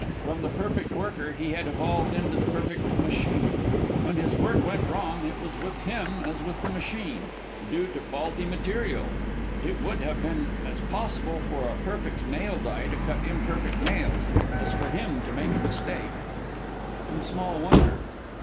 From the perfect worker he had evolved into the perfect machine. When his work went wrong, it was with him as with the machine, due to faulty material. It would have been as possible for a perfect nail die to cut imperfect nails as for him to make a mistake. And small wonder.